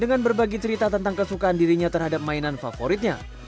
dengan berbagi cerita tentang kesukaan dirinya terhadap mainan favoritnya